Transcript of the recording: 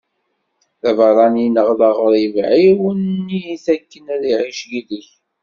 D abeṛṛani neɣ d aɣrib ɛiwen-it, akken ad iɛic yid-k.